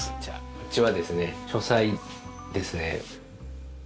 こっちはですね書斎ですね。